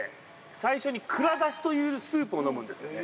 最初にくら出汁というスープを飲むんですよね。